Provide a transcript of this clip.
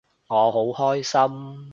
我好開心